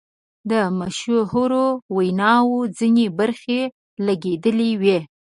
د مشهورو ویناوو ځینې برخې لګیدلې وې.